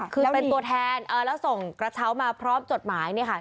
คือเป็นตัวแทนแล้วส่งกระเช้ามาพร้อมจดหมายเนี่ยค่ะ